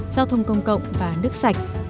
giao thông công cộng và nước sạch